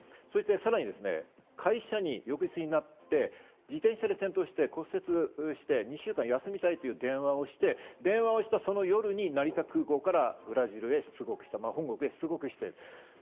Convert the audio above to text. さらに会社に翌日になって自転車で転倒して骨折して２週間休みたいという電話をして、電話をしたその夜に成田空港からブラジルへ出国している。